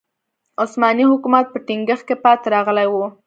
عثماني حکومت په ټینګښت کې پاتې راغلی و.